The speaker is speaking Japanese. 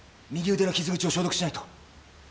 右腕の傷口を消毒しないと！